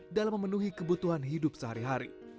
dalam memenuhi kebutuhan hidup sehari hari